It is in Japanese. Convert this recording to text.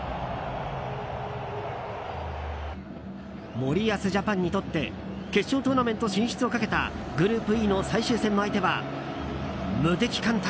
森保ジャパンにとって決勝トーナメント進出をかけたグループＥの最終戦の相手は無敵艦隊